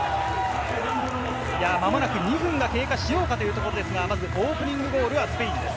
間もなく２分が経過しようかというところですが、オープニングゴールはスペインです。